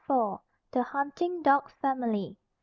THE HUNTING DOG FAMILY.